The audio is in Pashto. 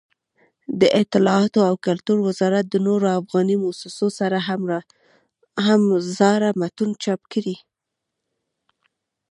دطلاعاتو او کلتور وزارت د نورو افغاني مؤسسو سره هم زاړه متون چاپ کړي.